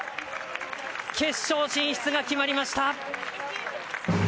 決勝進出が決まりました！